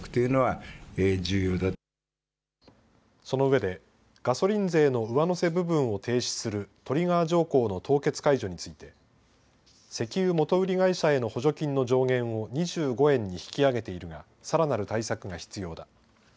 そのうえでガソリン税の上乗せ部分を停止するトリガー条項の凍結解除について石油元売り会社への補助金の上限を２５円に引き上げているがさらなる対策が必要だ。